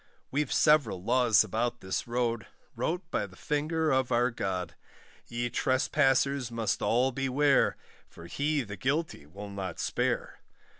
We've several laws about this road, Wrote by the finger of our God; Ye trespassers must all beware, For He the guilty will not spare.